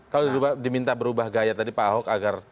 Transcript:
kalau diminta berubah gaya tadi pak ahok agar